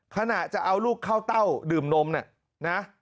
ขณะจะเอาลูกเข้าเต้าดื่มนมเนี่ยนะ